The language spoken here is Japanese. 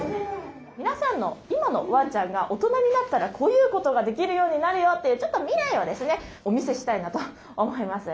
皆さんの今のワンちゃんが大人になったらこういうことができるようになるよというちょっと未来をですねお見せしたいなと思います。